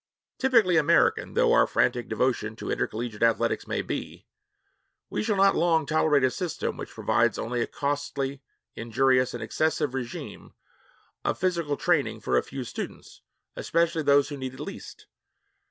Typically American though our frantic devotion to intercollegiate athletics may be, we shall not long tolerate a system which provides only a costly, injurious, and excessive régime of physical training for a few students, especially those who need it least.